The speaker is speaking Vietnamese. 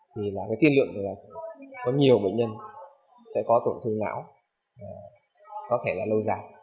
thì là cái tiên lượng là có nhiều bệnh nhân sẽ có tổn thương não có thể là lâu dài